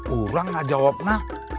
orang gak jawabnya